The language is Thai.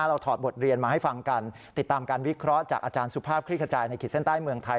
ถอดบทเรียนมาให้ฟังกันติดตามการวิเคราะห์จากอาจารย์สุภาพคลิกขจายในขีดเส้นใต้เมืองไทย